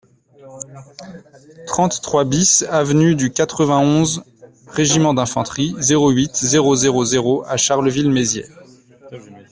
trente-trois BIS avenue du quatre-vingt-onze e Régiment d'Infanterie, zéro huit, zéro zéro zéro à Charleville-Mézières